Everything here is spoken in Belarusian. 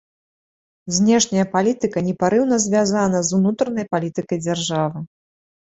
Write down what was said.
Знешняя палітыка непарыўна звязана з унутранай палітыкай дзяржавы.